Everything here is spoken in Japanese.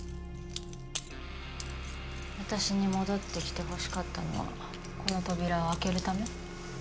私に戻ってきてほしかったのはこの扉を開けるため？